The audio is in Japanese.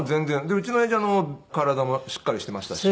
でうちの親父体もしっかりしてましたし。